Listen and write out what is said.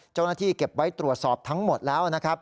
เจ้าหน้าที่เก็บไว้ตรวจสอบทั้งหมดแล้ว